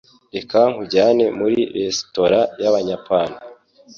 Reka nkujyane muri resitora y'Abayapani.